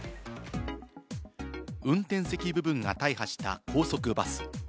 運転席部分が大破した高速バス。